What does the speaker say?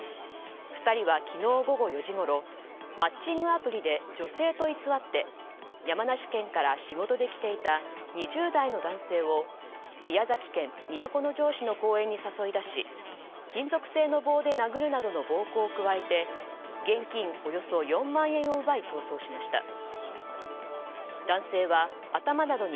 ２人は昨日午後４時ごろマッチングアプリで女性と偽って山梨県から仕事で来ていた２０代の男性を宮崎県都城市の公園に誘い出し金属製の棒で殴るなどの暴行を加えて現金およそ４万円を奪い逃走しました。